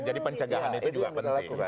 pencegahan itu juga penting